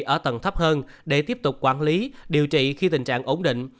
ở tầng thấp hơn để tiếp tục quản lý điều trị khi tình trạng ổn định